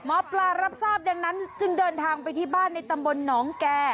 หมอปลารับทราบดังนั้นจึงเดินทางไปที่บ้านในตำบลหนองแก่